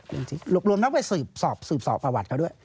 รวมรวมนักไปสืบสอบประวัติเขาด้วย